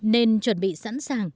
nên chuẩn bị sẵn sàng